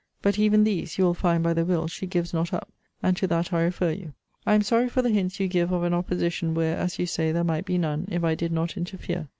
But even these, you will find by the will, she gives not up; and to that I refer you. I am sorry for the hints you give of an opposition, where, as you say, there might be none, if I did not interfere.